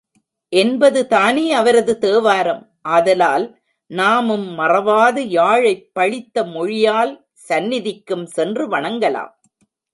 என்பதுதானே அவரது தேவாரம், ஆதலால் நாமும் மறவாது யாழைப் பழித்த மொழியாள் சந்நிதிக்கும் சென்று வணங்கலாம்.